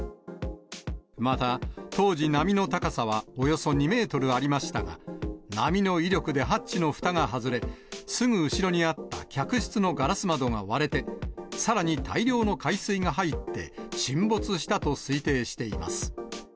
また当時、波の高さはおよそ２メートルありましたが、波の威力でハッチのふたが外れ、すぐ後ろにあった客室のガラス窓が割れて、さらに大量の海水が入って、沈没したと推定しています。